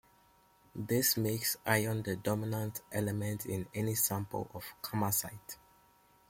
This makes iron the dominant element in any sample of kamacite.